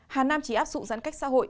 hà nam chỉ áp dụng giãn cách xã hội